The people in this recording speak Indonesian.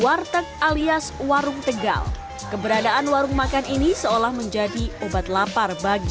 warteg alias warung tegal keberadaan warung makan ini seolah menjadi obat lapar bagi